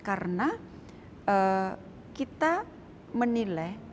karena kita menilai